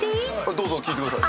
どうぞ聞いてください。